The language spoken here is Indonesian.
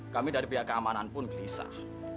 kami dari pihak keamanan pun gelisah